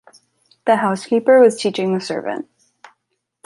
The housekeeper was teaching the servant.